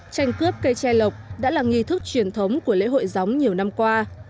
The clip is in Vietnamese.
tranh cướp cây tre lộc đã là nghi thức truyền thống của lễ hội gióng nhiều năm qua